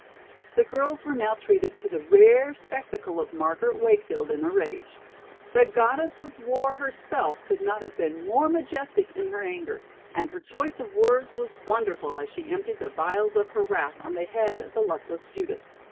The girls were now treated to the rare spectacle of Margaret Wakefield in a rage. The Goddess of War herself could not have been more majestic in her anger, and her choice of words was wonderful as she emptied the vials of her wrath on the head of the luckless Judith.